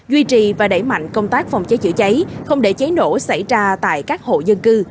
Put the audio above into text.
duy trì và đẩy mạnh công tác phòng cháy chữa cháy không để cháy nổ xảy ra tại các hộ dân cư